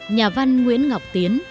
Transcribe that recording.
nhà văn nguyễn ngọc tiến